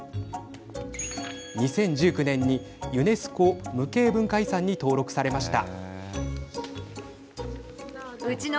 ２０１９年にユネスコ無形文化遺産に登録されました。